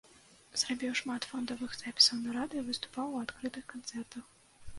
Зрабіў шмат фондавых запісаў на радыё, выступаў у адкрытых канцэртах.